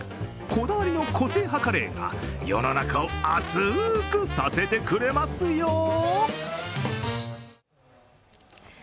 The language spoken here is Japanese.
こだわりの個性派カレーが世の中を熱くさせてくれますよ。